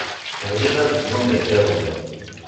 Bɣiɣ ad ddun d asawen.